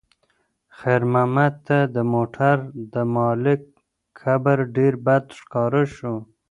خیر محمد ته د موټر د مالک کبر ډېر بد ښکاره شو.